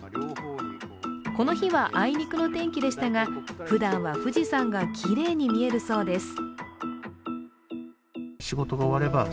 この日はあいにくの天気でしたがふだんは、富士山がきれいに見えるそうです。